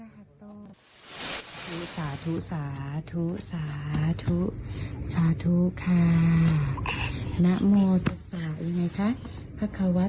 โหน่ารักมากเลย